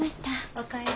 お帰り。